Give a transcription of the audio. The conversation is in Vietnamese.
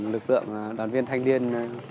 lực lượng đoàn viên thanh niên